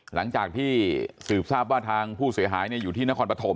หลังจากที่สืบทราบว่าทางผู้เสียหายอยู่ที่นครปฐม